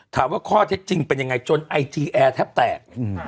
ถามว่าข้อเท็จจริงเป็นยังไงจนไอจีแอร์แทบแตก